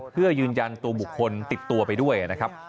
เพื่อยืนยันตัวบุคคลติดตัวไปด้วยนะครับ